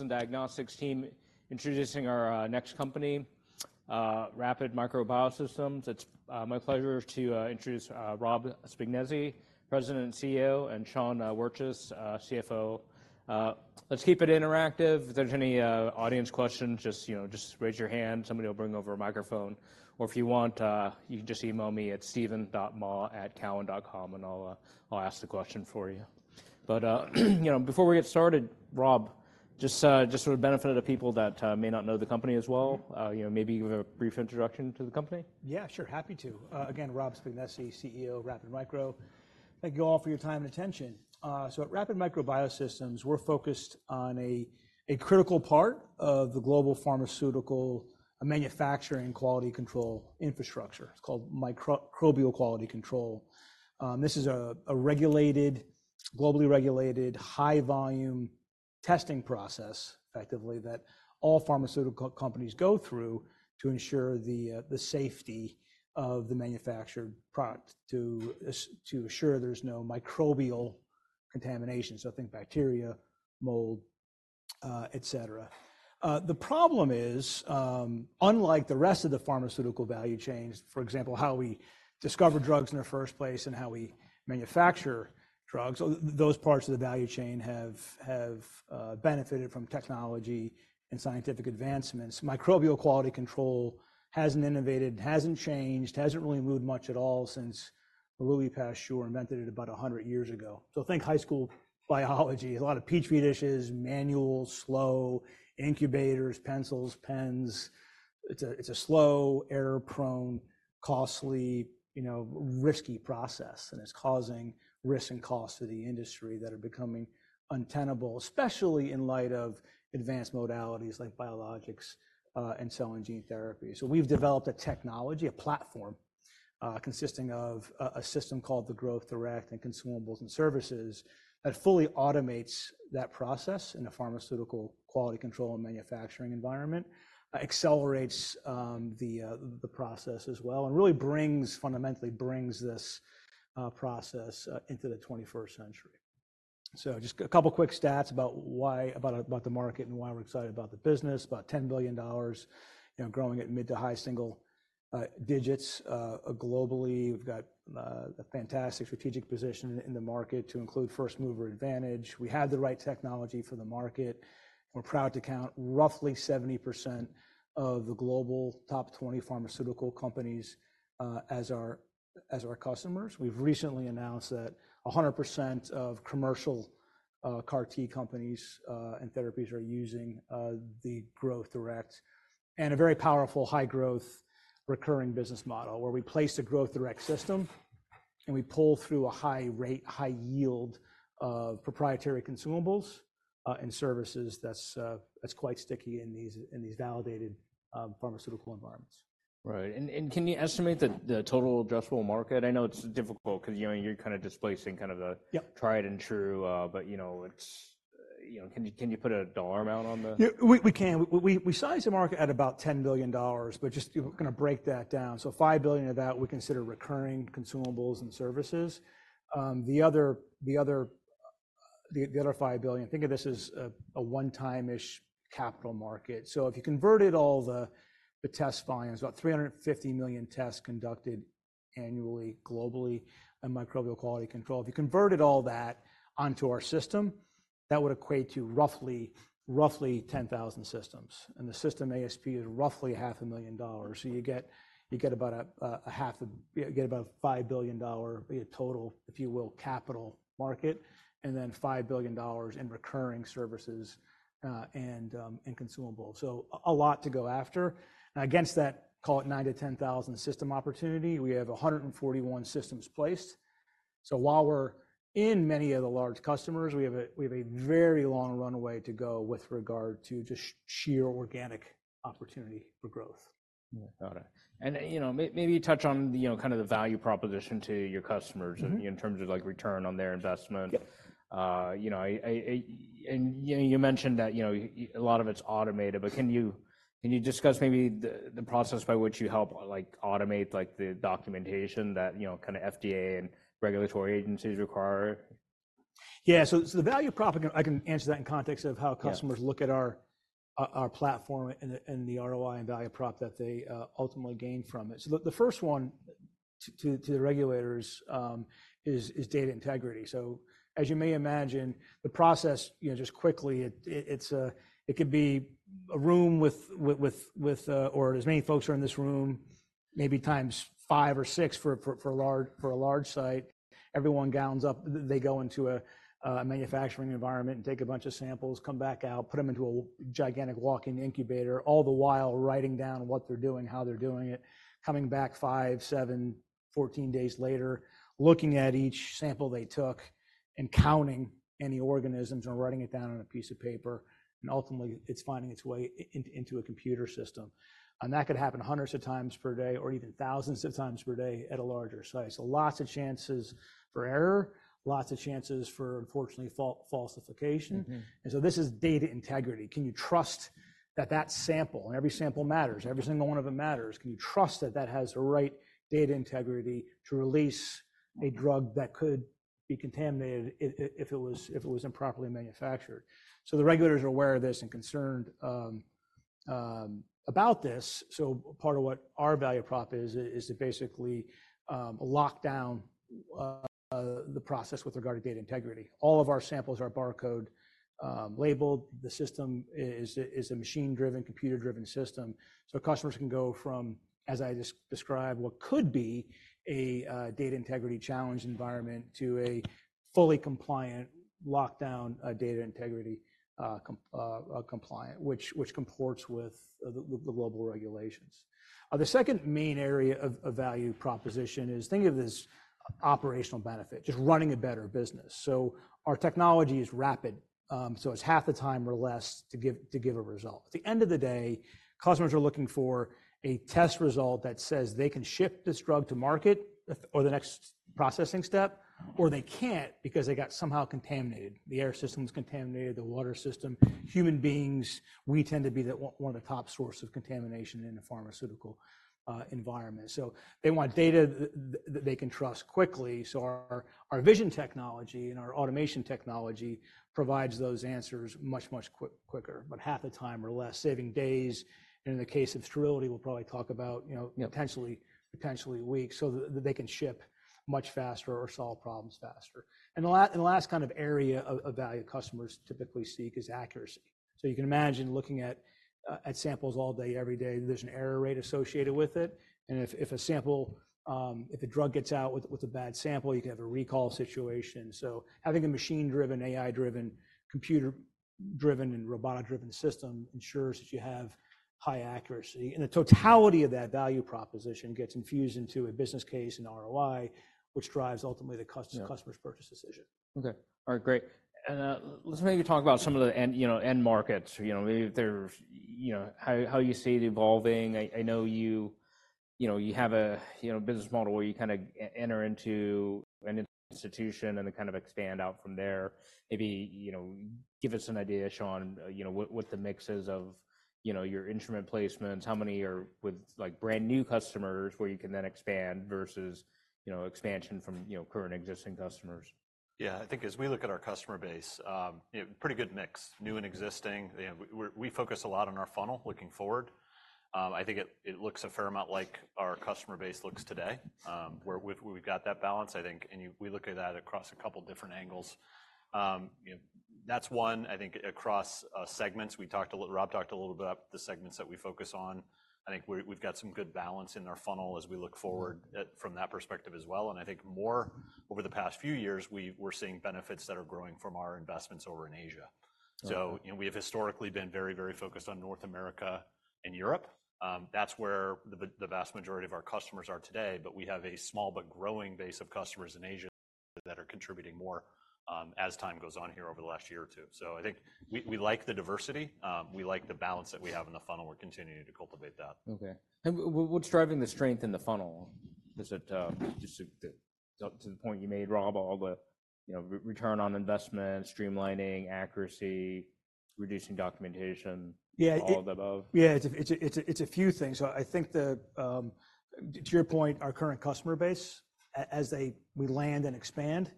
and diagnostics team, introducing our next company, Rapid Micro Biosystems. It's my pleasure to introduce Rob Spignesi, President and CEO, and Sean Wirtjes, CFO. Let's keep it interactive. If there's any audience questions, just, you know, just raise your hand, somebody will bring over a microphone. Or if you want, you can just email me at steven.mah@cowen.com, and I'll ask the question for you. But you know, before we get started, Rob, just for the benefit of the people that may not know the company as well- You know, maybe give a brief introduction to the company. Yeah, sure, happy to. Again, Rob Spignesi, CEO, Rapid Micro. Thank you all for your time and attention. So at Rapid Micro Biosystems, we're focused on a critical part of the global pharmaceutical manufacturing quality control infrastructure. It's called microbial quality control. This is a regulated, globally regulated, high volume testing process, effectively, that all pharmaceutical companies go through to ensure the safety of the manufactured product, to assure there's no microbial contamination, so think bacteria, mold, et cetera. The problem is, unlike the rest of the pharmaceutical value chains, for example, how we discover drugs in the first place and how we manufacture drugs, those parts of the value chain have benefited from technology and scientific advancements. Microbial quality control hasn't innovated, hasn't changed, hasn't really moved much at all since Louis Pasteur invented it about 100 years ago. So think high school biology, a lot of Petri dishes, manual, slow incubators, pencils, pens. It's a, it's a slow, error-prone, costly, you know, risky process, and it's causing risk and cost to the industry that are becoming untenable, especially in light of advanced modalities like biologics and cell and gene therapy. So we've developed a technology, a platform, consisting of a system called the Growth Direct and consumables and services, that fully automates that process in a pharmaceutical quality control and manufacturing environment. Accelerates the process as well, and really brings, fundamentally brings this process into the 21st century. So just a couple quick stats about the market and why we're excited about the business. About $10 billion, you know, growing at mid- to high-single digits. Globally, we've got a fantastic strategic position in the market to include first mover advantage. We have the right technology for the market. We're proud to count roughly 70% of the global top 20 pharmaceutical companies, as our, as our customers. We've recently announced that 100% of commercial, CAR T companies, and therapies are using, the Growth Direct. And a very powerful, high-growth, recurring business model, where we place a Growth Direct system, and we pull through a high rate, high yield of proprietary consumables, and services that's, that's quite sticky in these, in these validated, pharmaceutical environments. Right. And can you estimate the total addressable market? I know it's difficult because, you know, you're kind of displacing the- Yep... tried and true, but, you know, it's, you know... Can you, can you put a dollar amount on that? Yeah, we can. We size the market at about $10 billion, but just, you know, gonna break that down. So $5 billion of that we consider recurring consumables and services. The other five billion, think of this as a one-time-ish capital market. So if you converted all the test volumes, about 350 million tests conducted annually, globally, in microbial quality control. If you converted all that onto our system, that would equate to roughly 10,000 systems, and the system ASP is roughly $500,000. So you get about a $5 billion total, if you will, capital market, and then $5 billion in recurring services, and consumable. So a lot to go after. Against that, call it 9,000-10,000 system opportunity, we have 141 systems placed. So while we're in many of the large customers, we have a very long runway to go with regard to just sheer organic opportunity for growth. Got it. And, you know, maybe touch on, you know, kind of the value proposition to your customers-... in terms of, like, return on their investment. Yep. You know, you mentioned that, you know, a lot of it's automated, but can you discuss maybe the process by which you help, like, automate, like, the documentation that, you know, kind of FDA and regulatory agencies require? Yeah. So the value prop, I can answer that in context of how- Yeah... customers look at our platform and the ROI and value prop that they ultimately gain from it. So the first one to the regulators is data integrity. So as you may imagine, the process, you know, just quickly, it could be a room with as many folks as are in this room, maybe times five or six for a large site. Everyone gowns up. They go into a manufacturing environment and take a bunch of samples, come back out, put them into a gigantic walk-in incubator, all the while writing down what they're doing, how they're doing it, coming back five, seven, 14 days later, looking at each sample they took, and counting any organisms and writing it down on a piece of paper, and ultimately, it's finding its way into a computer system. And that could happen hundreds of times per day or even thousands of times per day at a larger site. So lots of chances for error, lots of chances for, unfortunately, falsification. This is data integrity. Can you trust that sample, and every sample matters, every single one of them matters. Can you trust that that has the right data integrity to release a drug that could be contaminated if it was improperly manufactured? The regulators are aware of this and concerned about this. Part of what our value prop is is to basically lock down the process with regard to data integrity. All of our samples are barcode labeled. The system is a machine-driven, computer-driven system. Customers can go from, as I described, what could be a data integrity challenge environment to a fully compliant, lockdown data integrity compliant, which comports with the global regulations. The second main area of value proposition is, think of this operational benefit, just running a better business. So our technology is rapid, so it's half the time or less to give a result. At the end of the day, customers are looking for a test result that says they can ship this drug to market, or the next processing step, or they can't because it got somehow contaminated. The air system's contaminated, the water system. Human beings, we tend to be the one of the top source of contamination in the pharmaceutical environment. So they want data that they can trust quickly. So our vision technology and our automation technology provides those answers much, much quicker, about half the time or less, saving days, and in the case of sterility, we'll probably talk about, you know- Yeah... potentially weeks, so that they can ship much faster or solve problems faster. And the last kind of area of value customers typically seek is accuracy. So you can imagine looking at samples all day, every day, there's an error rate associated with it, and if a drug gets out with a bad sample, you can have a recall situation. So having a machine-driven, AI-driven, computer-driven, and robotic-driven system ensures that you have high accuracy, and the totality of that value proposition gets infused into a business case and ROI, which drives ultimately the cust- Yeah... customer's purchase decision. Okay, all right, great. And, let's maybe talk about some of the end, you know, end markets. You know, maybe there's, you know, how you see it evolving. I know you, you know, you have a, you know, business model where you kind of enter into an institution and then kind of expand out from there. Maybe, you know, give us an idea, Sean, you know, what the mix is of, you know, your instrument placements, how many are with, like, brand-new customers, where you can then expand versus, you know, expansion from, you know, current existing customers. Yeah, I think as we look at our customer base, pretty good mix, new and existing. You know, we're, we focus a lot on our funnel looking forward. I think it looks a fair amount like our customer base looks today, where we've got that balance, I think, and we look at that across a couple different angles. You know, that's one, I think, across segments. Rob talked a little about the segments that we focus on. I think we've got some good balance in our funnel as we look forward from that perspective as well, and I think more over the past few years, we're seeing benefits that are growing from our investments over in Asia. Okay. So, you know, we have historically been very, very focused on North America and Europe. That's where the vast majority of our customers are today, but we have a small but growing base of customers in Asia that are contributing more as time goes on here over the last year or two. So I think we, we like the diversity, we like the balance that we have in the funnel. We're continuing to cultivate that. Okay. And what's driving the strength in the funnel? Is it just to the point you made, Rob, all the, you know, return on investment, streamlining, accuracy, reducing documentation- Yeah... all of the above? Yeah, it's a few things. So I think, to your point, our current customer base, as we land and expand,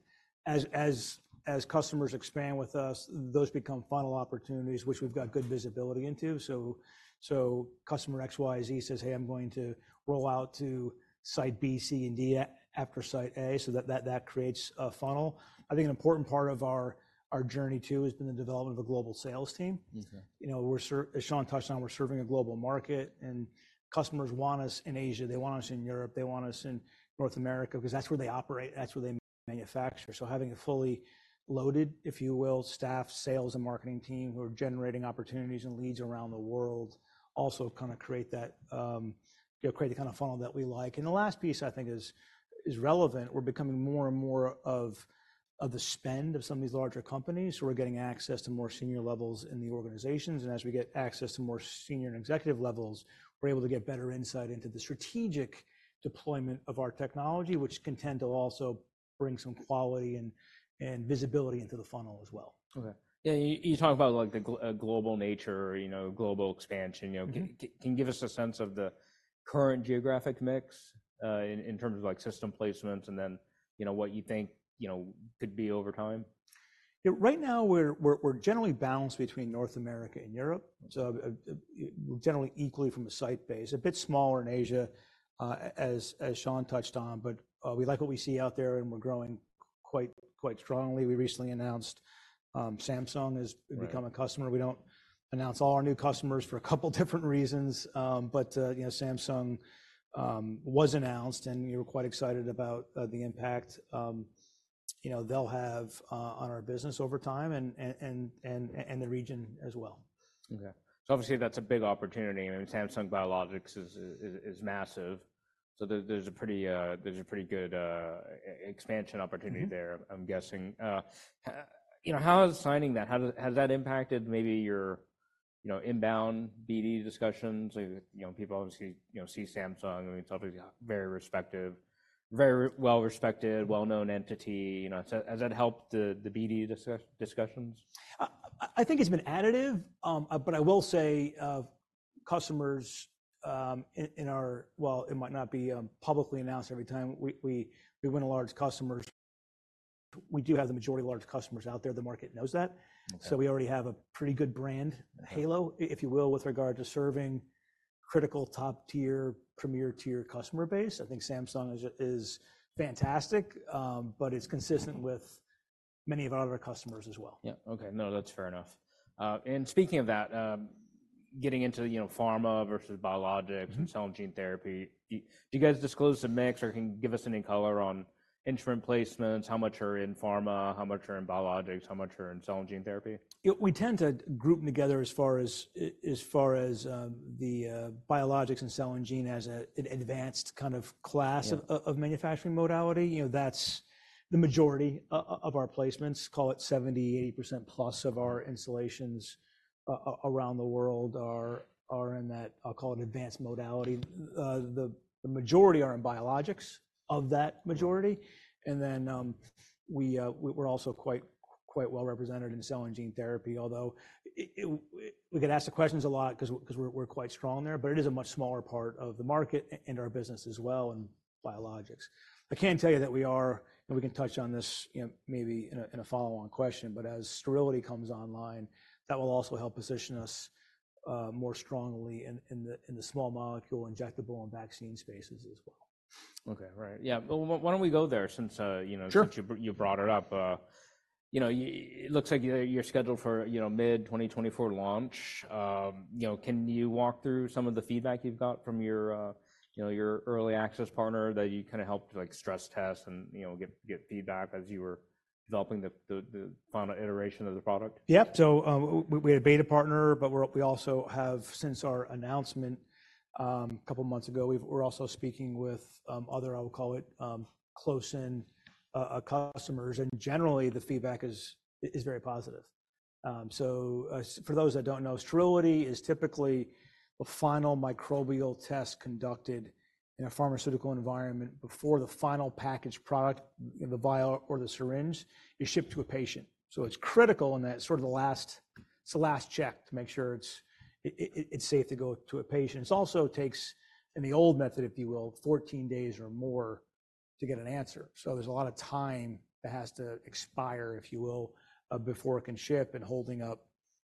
as customers expand with us, those become funnel opportunities, which we've got good visibility into. So customer XYZ says, "Hey, I'm going to roll out to site B, C, and D, after site A," so that creates a funnel. I think an important part of our journey, too, has been the development of a global sales team. You know, as Sean touched on, we're serving a global market, and customers want us in Asia, they want us in Europe, they want us in North America because that's where they operate, that's where they manufacture. So having a fully loaded, if you will, staff, sales, and marketing team who are generating opportunities and leads around the world also kind of create that, you know, create the kind of funnel that we like. And the last piece I think is relevant, we're becoming more and more of the spend of some of these larger companies, so we're getting access to more senior levels in the organizations. As we get access to more senior and executive levels, we're able to get better insight into the strategic deployment of our technology, which can tend to also bring some quality and visibility into the funnel as well. Okay. Yeah, you, you talk about, like, the global nature, you know, global expansion, you know. Can you give us a sense of the current geographic mix in terms of, like, system placements, and then, you know, what you think, you know, could be over time? Yeah, right now, we're generally balanced between North America and Europe, so generally equally from a site base. A bit smaller in Asia, as Sean touched on, but we like what we see out there, and we're growing quite strongly. We recently announced, Samsung has- Right... become a customer. We don't announce all our new customers for a couple different reasons, but you know, Samsung was announced, and we were quite excited about the impact, you know, they'll have on our business over time, and the region as well. Okay. So obviously, that's a big opportunity. I mean, Samsung Biologics is massive, so there's a pretty good expansion opportunity there.... I'm guessing. You know, how is signing that, how has that impacted maybe your, you know, inbound BD discussions? You know, people obviously, you know, see Samsung, I mean, it's obviously a very respected, very well-respected, well-known entity, you know. So has that helped the BD discussions? I think it's been additive, but I will say, customers in our, well, it might not be publicly announced every time we win a large customer, we do have the majority of large customers out there. The market knows that. Okay. So we already have a pretty good brand halo, if you will, with regard to serving critical top-tier, premier-tier customer base. I think Samsung is fantastic, but it's consistent with many of our other customers as well. Yeah. Okay. No, that's fair enough. Speaking of that, getting into, you know, pharma versus biologics- And cell and gene therapy, do you guys disclose the mix, or can you give us any color on instrument placements? How much are in pharma? How much are in biologics? How much are in cell and gene therapy? Yeah, we tend to group them together as far as, as far as, the biologics and cell and gene as an advanced kind of class- Yeah... of manufacturing modality. You know, that's the majority of our placements, call it 70%-80% plus of our installations around the world are in that, I'll call it advanced modality. The majority are in biologics, of that majority, and then we're also quite well represented in cell and gene therapy. Although, we get asked the questions a lot 'cause we're quite strong there, but it is a much smaller part of the market and our business as well in biologics. I can tell you that we are, and we can touch on this, you know, maybe in a follow-on question, but as sterility comes online, that will also help position us more strongly in the small molecule, injectable, and vaccine spaces as well. Okay. Right. Yeah. Well, why don't we go there since, you know- Sure... since you brought it up. You know, it looks like you're scheduled for, you know, mid-2024 launch. You know, can you walk through some of the feedback you've got from your, you know, your early access partner that you kind of helped, like, stress test and, you know, get feedback as you were developing the final iteration of the product? Yep. So, we had a beta partner, but we also have, since our announcement a couple of months ago, we're also speaking with other, I will call it, close-in customers, and generally, the feedback is very positive. So, for those that don't know, sterility is typically the final microbial test conducted in a pharmaceutical environment before the final packaged product, the vial or the syringe, is shipped to a patient. So it's critical in that it's sort of the last, it's the last check to make sure it's safe to go to a patient. It's also takes, in the old method, if you will, 14 days or more to get an answer. So there's a lot of time that has to expire, if you will, before it can ship and holding up...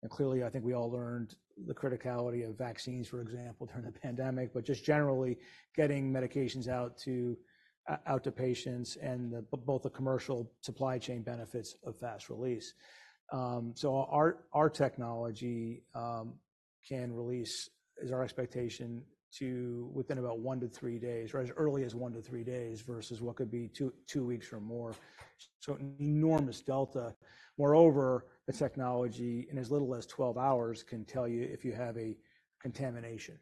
Clearly, I think we all learned the criticality of vaccines, for example, during the pandemic, but just generally, getting medications out to patients and both the commercial supply chain benefits of fast release. So our technology can release, is our expectation, to within about 1-3 days, or as early as 1-3 days, versus what could be 2 weeks or more. So an enormous delta. Moreover, the technology, in as little as 12 hours, can tell you if you have a contamination,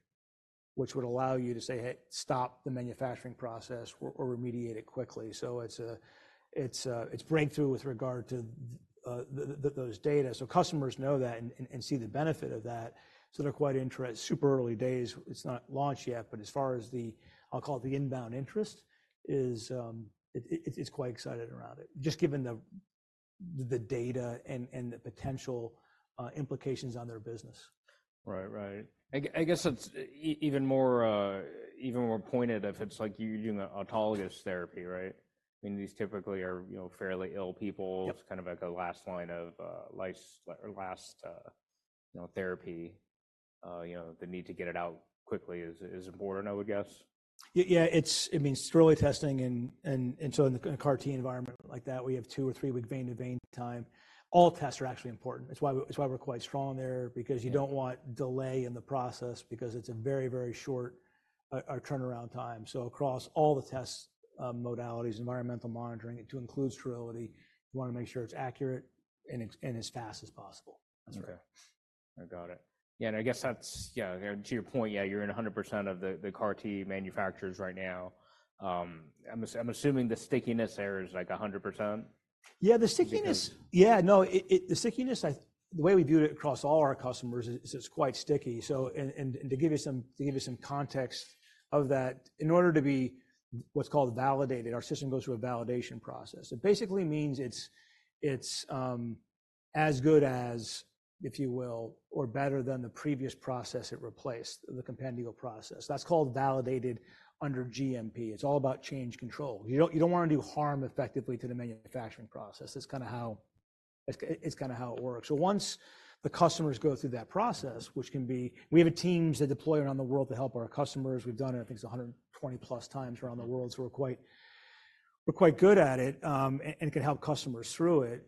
which would allow you to say: Hey, stop the manufacturing process or remediate it quickly. So it's breakthrough with regard to the those data. So customers know that and see the benefit of that, so they're quite interested. Super early days, it's not launched yet, but as far as the, I'll call it, the inbound interest, it's quite excited around it, just given the data and the potential implications on their business. Right. Right. I guess it's even more pointed if it's like you're doing an autologous therapy, right? I mean, these typically are, you know, fairly ill people. Yep. It's kind of like a last line of, life or last, you know, therapy. You know, the need to get it out quickly is important, I would guess. Yeah, it's, I mean, sterility testing and so in a CAR T environment like that, we have 2- or 3-week vein-to-vein time. All tests are actually important. It's why, it's why we're quite strong there- Yeah... because you don't want delay in the process, because it's a very, very short turnaround time. So across all the test modalities, environmental monitoring, it too includes sterility. You wanna make sure it's accurate and, and as fast as possible. That's right. I got it. Yeah, and I guess that's, yeah, to your point, yeah, you're in 100% of the CAR T manufacturers right now. I'm assuming the stickiness there is, like, 100%? Yeah, the stickiness- Because- Yeah, no, the stickiness. The way we view it across all our customers is, it's quite sticky. So, and to give you some context of that, in order to be what's called validated, our system goes through a validation process. It basically means it's as good as, if you will, or better than the previous process it replaced, the compendial process. That's called validated under GMP. It's all about change control. You don't wanna do harm effectively to the manufacturing process. It's kind of how it works. So once the customers go through that process, which can be... We have a team that deploy around the world to help our customers. We've done it, I think, it's 120-plus times around the world, so we're quite good at it, and can help customers through it.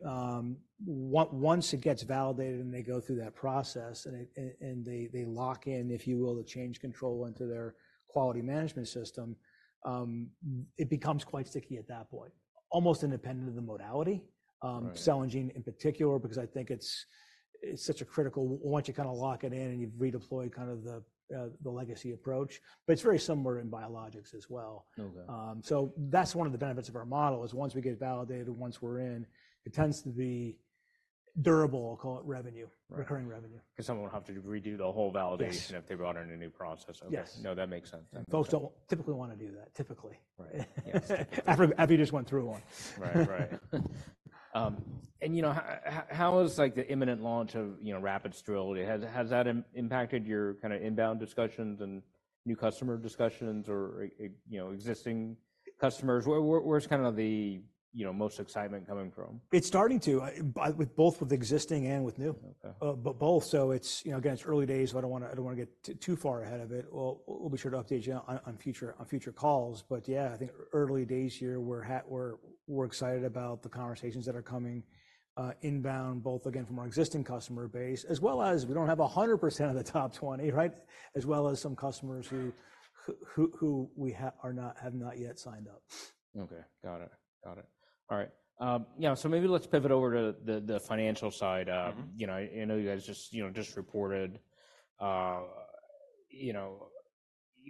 Once it gets validated and they go through that process, and they lock in, if you will, the change control into their quality management system, it becomes quite sticky at that point, almost independent of the modality. Right. Cell and gene in particular, because I think it's, it's such a critical once you kind of lock it in and you've redeployed kind of the, the legacy approach, but it's very similar in biologics as well. Okay. That's one of the benefits of our model, is once we get it validated, once we're in, it tends to be durable, I'll call it, revenue- Right... recurring revenue. 'Cause someone would have to redo the whole validation- Yes... if they brought in a new process. Yes. Okay. No, that makes sense. Thank you. Folks don't typically wanna do that. Typically. Right. Yes. After you just went through one. Right. Right. You know, how is, like, the imminent launch of, you know, Rapid Sterility? Has that impacted your kind of inbound discussions and new customer discussions or, you know, existing customers? Where's kind of the, you know, most excitement coming from? It's starting to be with both with existing and with new. Okay. but both, so it's, you know, again, it's early days, so I don't wanna get too far ahead of it. We'll be sure to update you on future calls. But yeah, I think early days here, we're excited about the conversations that are coming inbound, both again, from our existing customer base, as well as we don't have 100% of the top 20, right? As well as some customers who we have not yet signed up. Okay, got it. Got it. All right. Yeah, so maybe let's pivot over to the financial side. You know, I know you guys just, you know, just reported, you know,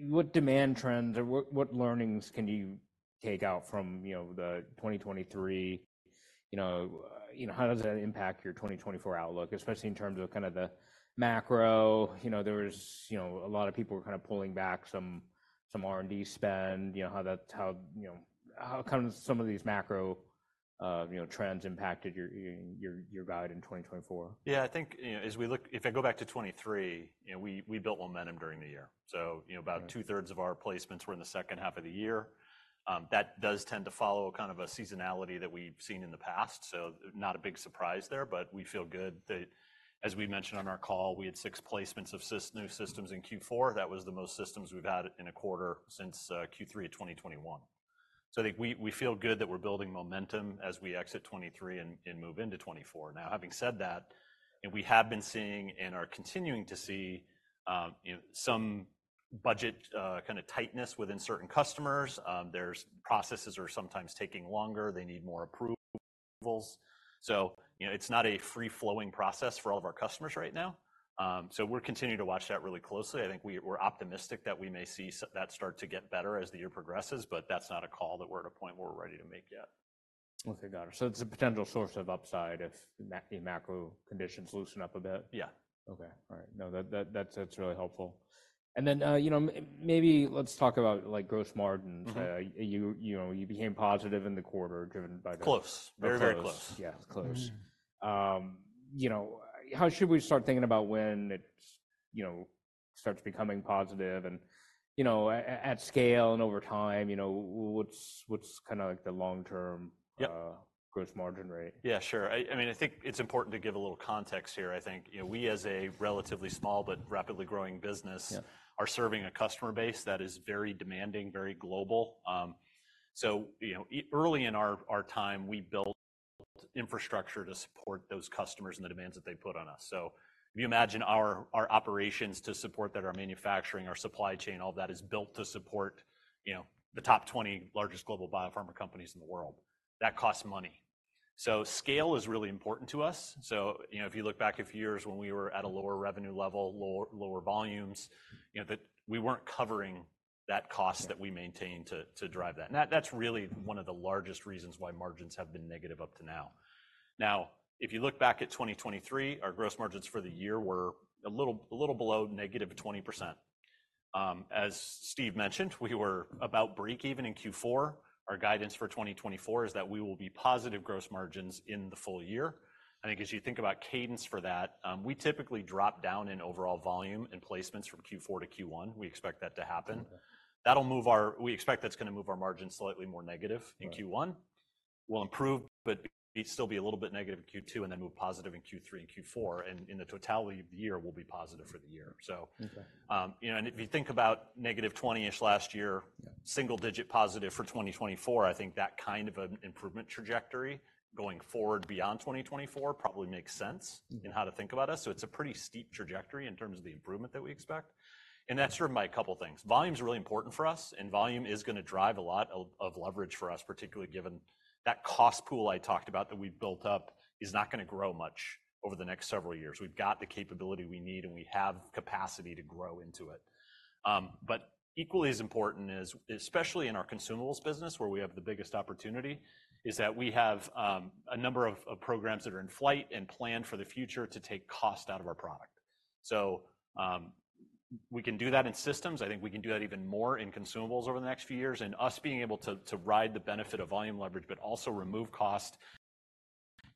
what demand trends or what learnings can you take out from, you know, the 2023, you know, how does that impact your 2024 outlook, especially in terms of kind of the macro? You know, there was, you know, a lot of people were kind of pulling back some R&D spend, you know, how come some of these macro trends impacted your guide in 2024? Yeah, I think, you know, as we look... If I go back to 2023, you know, we built momentum during the year. So, you know-... about two-thirds of our placements were in the second half of the year. That does tend to follow a kind of a seasonality that we've seen in the past, so not a big surprise there. But we feel good that, as we mentioned on our call, we had 6 placements of new systems in Q4. That was the most systems we've had in a quarter since Q3 of 2021. So I think we feel good that we're building momentum as we exit 2023 and move into 2024. Now, having said that, we have been seeing and are continuing to see, you know, some budget kind of tightness within certain customers. Their processes are sometimes taking longer, they need more approvals. So, you know, it's not a free-flowing process for all of our customers right now. So, we're continuing to watch that really closely. I think we're optimistic that we may see that start to get better as the year progresses, but that's not a call that we're at a point where we're ready to make yet. Okay, got it. So it's a potential source of upside if the macro conditions loosen up a bit? Yeah. Okay, all right. No, that's really helpful. And then, you know, maybe let's talk about, like, gross margin. You know, you became positive in the quarter, driven by the- Close. Okay. Very, very close. Yeah, close. you know, how should we start thinking about when it's, you know, starts becoming positive and, you know, at scale and over time, you know, what's kind of like the long-term- Yep... gross margin rate? Yeah, sure. I, I mean, I think it's important to give a little context here. I think, you know, we, as a relatively small but rapidly growing business- Yeah... are serving a customer base that is very demanding, very global. So, you know, early in our time, we built infrastructure to support those customers and the demands that they put on us. So if you imagine our operations to support that, our manufacturing, our supply chain, all that is built to support, you know, the top 20 largest global biopharma companies in the world. That costs money. So scale is really important to us. So, you know, if you look back a few years when we were at a lower revenue level, lower volumes, you know, that we weren't covering that cost- Yeah... that we maintained to drive that. And that's really one of the largest reasons why margins have been negative up to now. Now, if you look back at 2023, our gross margins for the year were a little, a little below negative 20%. As Steve mentioned, we were about breakeven in Q4. Our guidance for 2024 is that we will be positive gross margins in the full year. I think as you think about cadence for that, we typically drop down in overall volume and placements from Q4 to Q1. We expect that to happen. Okay. That'll move our... We expect that's gonna move our margins slightly more negative in Q1. Right. We'll improve, but it'll still be a little bit negative in Q2, and then move positive in Q3 and Q4, and in the totality of the year, we'll be positive for the year, so. Okay. You know, if you think about negative 20-ish last year- Yeah... single-digit positive for 2024, I think that kind of an improvement trajectory going forward beyond 2024 probably makes sense-... in how to think about us. So it's a pretty steep trajectory in terms of the improvement that we expect, and that's driven by a couple things. Volume is really important for us, and volume is gonna drive a lot of leverage for us, particularly given that cost pool I talked about that we've built up is not gonna grow much over the next several years. We've got the capability we need, and we have capacity to grow into it. But equally as important is, especially in our consumables business, where we have the biggest opportunity, that we have a number of programs that are in flight and planned for the future to take cost out of our product. So, we can do that in systems. I think we can do that even more in consumables over the next few years, and us being able to ride the benefit of volume leverage, but also remove cost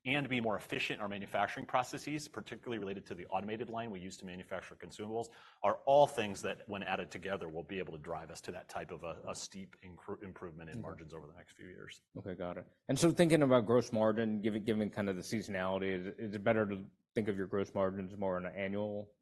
and be more efficient in our manufacturing processes, particularly related to the automated line we use to manufacture consumables, are all things that, when added together, will be able to drive us to that type of a steep incremental improvement-... in margins over the next few years. Okay, got it. And so thinking about gross margin, given kind of the seasonality, is it better to think of your gross margins more on an annual basis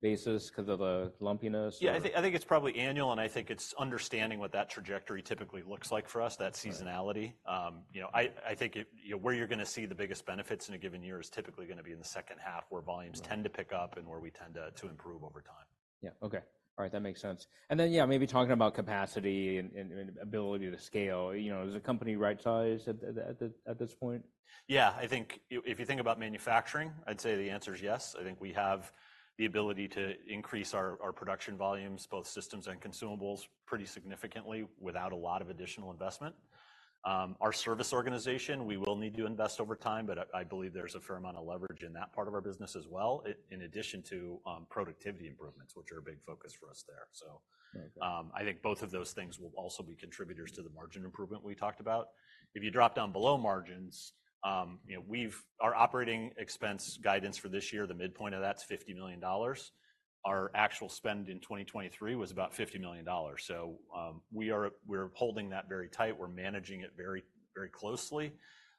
because of the lumpiness or? Yeah, I think, I think it's probably annual, and I think it's understanding what that trajectory typically looks like for us, that seasonality. Right. you know, I think, you know, where you're gonna see the biggest benefits in a given year is typically gonna be in the second half, where volumes- Right... tend to pick up and where we tend to improve over time. Yeah, okay. All right, that makes sense. And then, yeah, maybe talking about capacity and ability to scale, you know, is the company right-sized at this point? Yeah, I think if you think about manufacturing, I'd say the answer is yes. I think we have the ability to increase our production volumes, both systems and consumables, pretty significantly without a lot of additional investment. Our service organization, we will need to invest over time, but I believe there's a fair amount of leverage in that part of our business as well, in addition to productivity improvements, which are a big focus for us there. So- Okay... I think both of those things will also be contributors to the margin improvement we talked about. If you drop down below margins, you know, Our operating expense guidance for this year, the midpoint of that's $50 million. Our actual spend in 2023 was about $50 million. So, we are, we're holding that very tight. We're managing it very, very closely.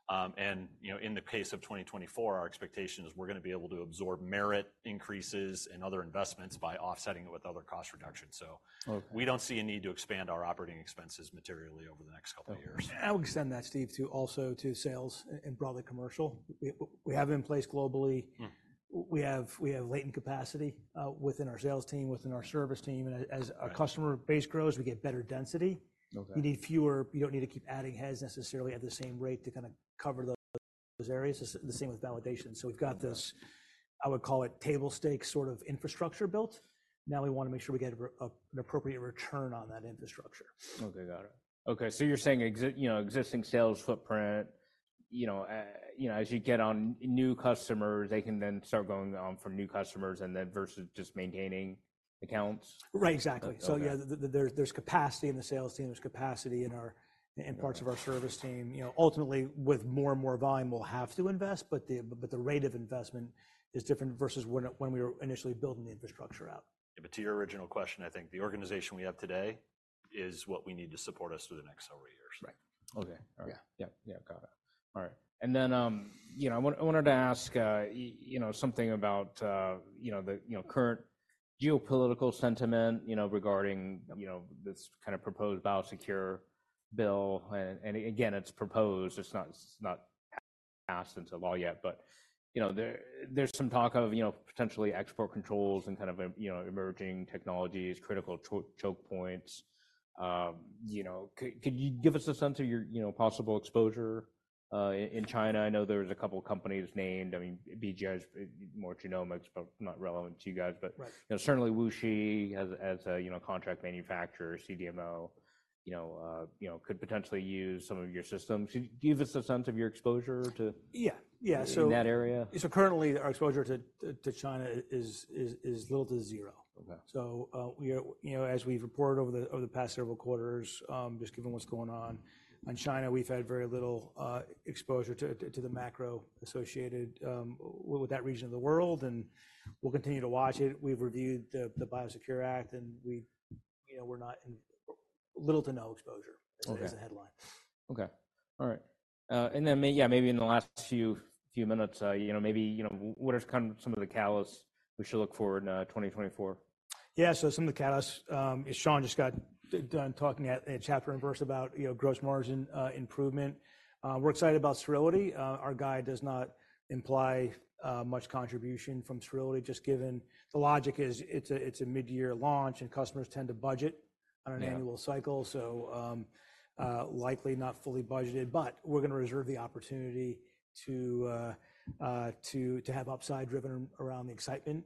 And, you know, in the case of 2024, our expectation is we're gonna be able to absorb merit increases and other investments by offsetting it with other cost reductions. So- Okay. We don't see a need to expand our operating expenses materially over the next couple of years. I would extend that, Steve, to also to sales and broadly commercial. We have it in place globally. We have, we have latent capacity within our sales team, within our service team, and as- Right. Our customer base grows, we get better density. Okay. You need fewer. You don't need to keep adding heads necessarily at the same rate to kind of cover those, those areas. The same with validation. Yeah. So we've got this, I would call it table stakes, sort of infrastructure built. Now we want to make sure we get an appropriate return on that infrastructure. Okay, got it. Okay, so you're saying existing sales footprint, you know, you know, as you get on new customers, they can then start going from new customers, and then versus just maintaining accounts? Right, exactly. Okay. So yeah, there's capacity in the sales team, there's capacity in our- Got it. - in parts of our service team. You know, ultimately, with more and more volume, we'll have to invest, but the rate of investment is different versus when we were initially building the infrastructure out. But to your original question, I think the organization we have today is what we need to support us through the next several years. Right. Okay. Yeah. Yep, yeah, got it. All right. And then, you know, I wanted to ask, you know, something about, you know, the current geopolitical sentiment, you know, regarding, you know, this kind of proposed BIOSECURE Act. And again, it's proposed, it's not passed into law yet. But, you know, there's some talk of, you know, potentially export controls and kind of, you know, emerging technologies, critical choke points. You know, could you give us a sense of your, you know, possible exposure in China? I know there's a couple companies named, I mean, BGI's more genomics, but not relevant to you guys, but- Right... you know, certainly WuXi as a you know, contract manufacturer, CDMO, you know, could potentially use some of your systems. Could you give us a sense of your exposure to- Yeah. Yeah, so- In that area? So currently, our exposure to China is little to zero. Okay. So, you know, as we've reported over the past several quarters, just given what's going on in China, we've had very little exposure to the macro associated with that region of the world, and we'll continue to watch it. We've reviewed the BIOSECURE Act, and we've... You know, we're not in... Little to no exposure- Okay - as the headline. Okay. All right. And then maybe in the last few minutes, you know, maybe you know what are kind of some of the catalysts we should look for in 2024? Yeah. So some of the catalysts, as Sean just got done talking about in chapter and verse, you know, gross margin improvement. We're excited about sterility. Our guide does not imply much contribution from sterility, just given the logic is it's a mid-year launch, and customers tend to budget- Yeah on an annual cycle, so likely not fully budgeted, but we're going to reserve the opportunity to have upside driven around the excitement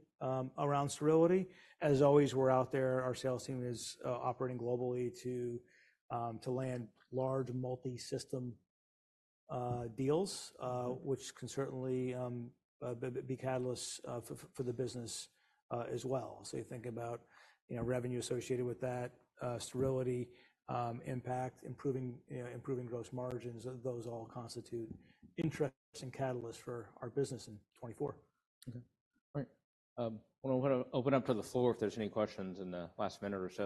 around sterility. As always, we're out there. Our sales team is operating globally to land large multi-system deals, which can certainly be catalysts for the business as well. So you think about, you know, revenue associated with that sterility impact, improving, you know, improving gross margins. Those all constitute interesting catalysts for our business in 2024. Okay, great. Well, I'm gonna open up to the floor if there's any questions in the last minute or so.